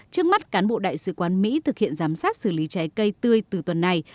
trước mắt cán bộ đại sứ quán mỹ thực hiện giám sát xử lý trái cây tươi từ tuần này